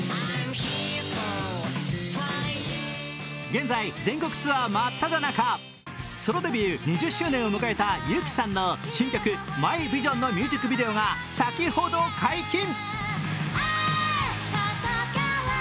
現在、全国ツアー真っただ中、ソロデビュー２０周年を迎えたＹＵＫＩさんの新曲「ＭｙＶｉｓｉｏｎ」のミュージックビデオが先ほど解禁。